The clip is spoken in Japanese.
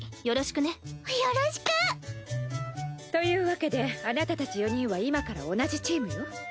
よろしく！というわけであなたたち４人は今から同じチームよ。